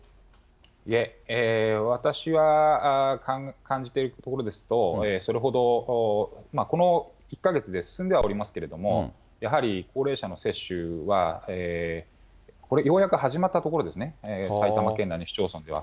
いえ、私が感じているところですと、それほど、この１か月で進んではおりますけれども、やはり高齢者の接種は、これ、ようやく始まったところですね、埼玉県内の市町村では。